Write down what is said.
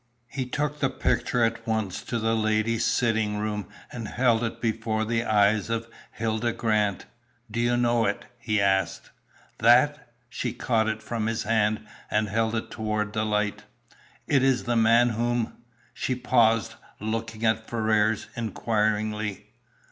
He took the picture at once to the ladies' sitting room, and held it before the eyes of Hilda Grant. "Do you know it?" he asked. "That!" She caught it from his hand, and held it toward the light. "It is the man whom " She paused, looking at Ferrars, inquiringly.